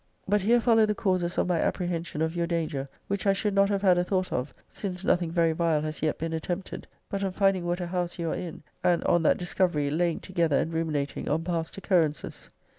But here follow the causes of my apprehension of your danger; which I should not have had a thought >>> of (since nothing very vile has yet been attempted) but on finding what a house you are in, and, on that discovery, laying together and ruminating on past occurrences.